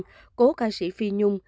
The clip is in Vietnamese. của cố ca sĩ phi nhung